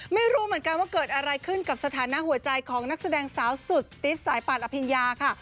ไม่รู้เหมือนกันว่าเกิดอะไรขึ้นกับสถานะหัวใจของนักแสดงสาวสุดติ๊ดสายป่านอภิญญาค่ะ